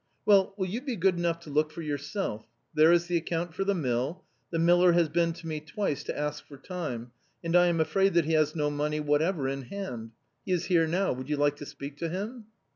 "Well, will you be good enough to look for yourself? There is the account for the mill. The miller has been to me twice to ask for time, and I am afraid that he has no money whatever in hand. He is here now. Would you like to speak to him?"